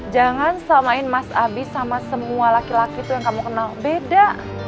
jangan samain mas abi sama semua laki laki itu yang kamu kenal beda